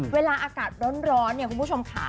เวลาอากาศร้อนคุณผู้ชมค่ะ